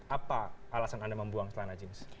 apa alasan anda membuang celana jeans